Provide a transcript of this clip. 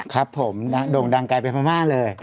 ครับผมด่งดังไกลไปมากเลย